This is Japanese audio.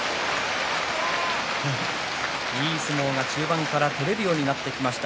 いい相撲が中盤から取れるようになってきました。